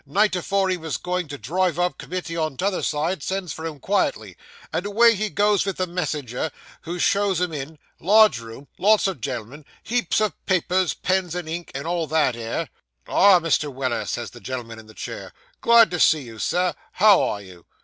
Night afore he was going to drive up, committee on t' other side sends for him quietly, and away he goes vith the messenger, who shows him in; large room lots of gen'l'm'n heaps of papers, pens and ink, and all that 'ere. "Ah, Mr. Weller," says the gen'l'm'n in the chair, "glad to see you, sir; how are you?"